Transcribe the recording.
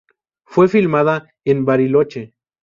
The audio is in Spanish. Fue filmada en Bariloche.